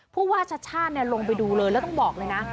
ผู้ว่าชาติชาติลงไปดูเลยแล้วต้องบอกเลยนะ